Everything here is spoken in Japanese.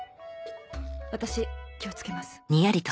私気をつけます。